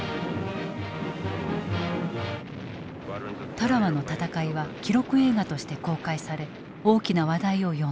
タラワの戦いは記録映画として公開され大きな話題を呼んだ。